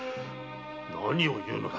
何を言うのだ。